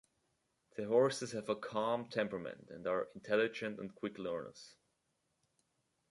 The horses have a calm temperament, and are intelligent and quick learners.